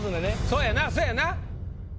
そうやなそうやな。